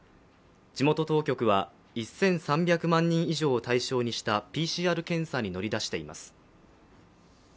地元当局は１３００万人以上を対象にしたＰＣＲ検査に乗り出しています。